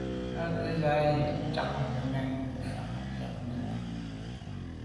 Á yɔ́k gə̀ sɔ̌k ŋká zə̄ mɛ́n lû fáŋ ndá ŋkɔ̀k.